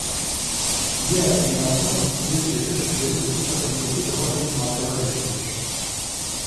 Diğer ilanlar İngilizcedir ve ülke çapındaki daha büyük markalar içindir.